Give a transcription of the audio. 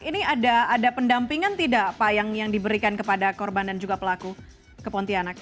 ini ada pendampingan tidak pak yang diberikan kepada korban dan juga pelaku ke pontianak